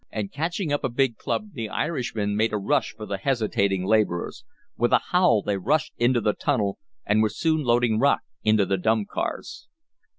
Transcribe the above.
and catching up a big club the Irishman made a rush for the hesitating laborers. With a howl they rushed into the tunnel, and were soon loading rock into the dump cars.